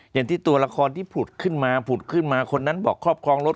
อย่างที่ตัวละครที่ผุดขึ้นมาผุดขึ้นมาคนนั้นบอกครอบครองรถ